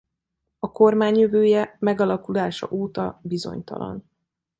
A kormány jövője megalakulása óta bizonytalan.